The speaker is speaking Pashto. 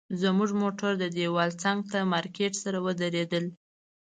زموږ موټر د دیوال څنګ ته مارکیټ سره ودرېدل.